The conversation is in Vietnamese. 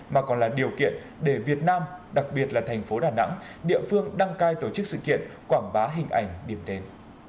mà còn là điều kiện để việt nam đặc biệt là thành phố đà nẵng địa phương đăng cai tổ chức sự kiện quảng bá hình ảnh điểm đến